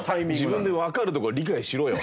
自分でわかるとこ理解しろよ